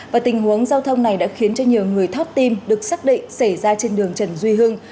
và tình huống giao thông này đã khiến cho nhiều người thoát tim được xác định xảy ra trên đường trần duy hưng